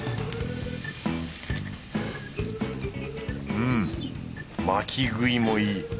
うん巻き食いもいい。